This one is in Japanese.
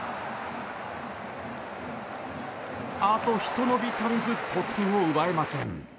あと、ひと伸び足りず得点を奪えません。